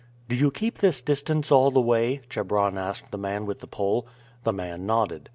"Do you keep this distance all the way?" Chebron asked the man with the pole. The man nodded.